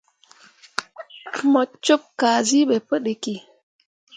Mo cup kazi be pu ɗiki.